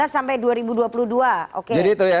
sampai dua ribu dua puluh dua oke jadi itu ya